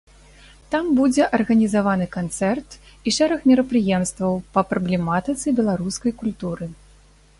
Там будзе арганізаваны канцэрт і шэраг мерапрыемстваў па праблематыцы беларускай культуры.